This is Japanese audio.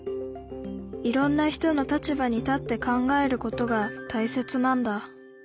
いろんな人の立場に立って考えることが大切なんだ